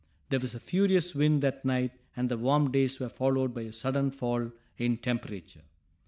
There was a furious wind that night and the warm days were followed by a sudden fall in temperature.